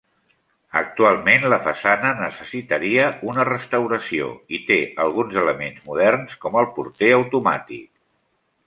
Actualment la façana necessitaria una restauració i té alguns elements moderns com el porter automàtic.